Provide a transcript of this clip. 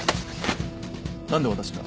何で私が？